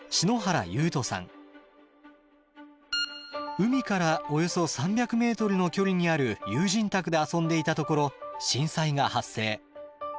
海からおよそ３００ｍの距離にある友人宅で遊んでいたところ震災が発生。